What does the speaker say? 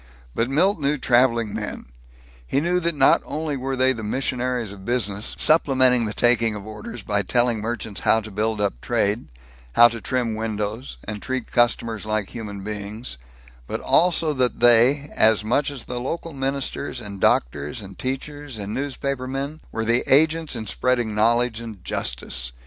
But Milt knew traveling men. He knew that not only were they the missionaries of business, supplementing the taking of orders by telling merchants how to build up trade, how to trim windows and treat customers like human beings; but also that they, as much as the local ministers and doctors and teachers and newspapermen, were the agents in spreading knowledge and justice.